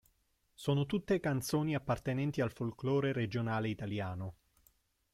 Sono tutte canzoni appartenenti al folklore regionale italiano.